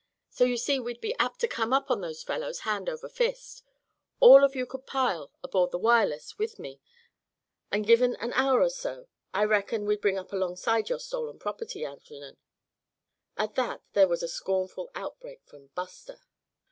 So you see we'd be apt to come up on those fellows hand over fist. All of you could pile aboard the Wireless with me, and given an hour or so, I reckon we'd bring up alongside your stolen property, Algernon." At that there was a scornful outbreak from Buster.